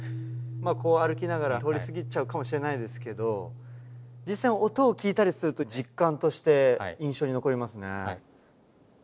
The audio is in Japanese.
こう歩きながら通り過ぎちゃうかもしれないですけど実際に音を聞いたりすると実感として印象に残りますね。